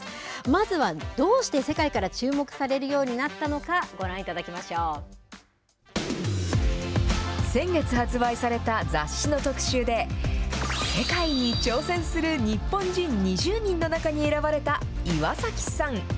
まずはどうして世界から注目されるようになったのか、ご覧いただ先月発売された雑誌の特集で、世界に挑戦する日本人２０人の中に選ばれた、岩崎さん。